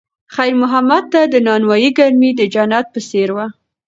خیر محمد ته د نانوایۍ ګرمي د جنت په څېر وه.